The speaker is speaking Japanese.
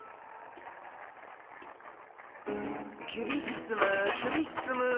キュビッスムキュビッスム。